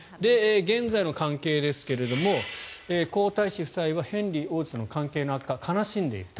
現在の関係ですけれども皇太子夫妻はヘンリー王子との関係の悪化を悲しんでいる。